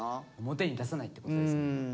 表に出さないってことですね。